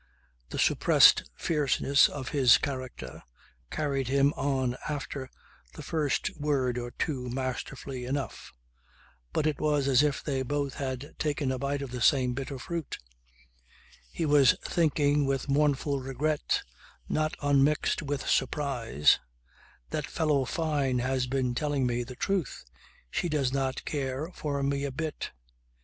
The suppressed fierceness of his character carried him on after the first word or two masterfully enough. But it was as if they both had taken a bite of the same bitter fruit. He was thinking with mournful regret not unmixed with surprise: "That fellow Fyne has been telling me the truth. She does not care for me a bit."